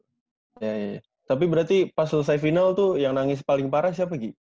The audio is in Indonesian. oke tapi berarti pas selesai final tuh yang nangis paling parah siapa gi